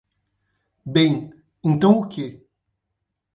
Bem, então o que?